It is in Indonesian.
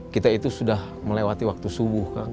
kita itu sudah melewati waktu subuh kan